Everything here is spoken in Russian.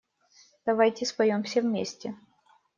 Давайте споем все вместе.